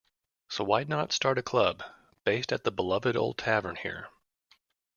So why not start a club, based at the beloved old tavern here.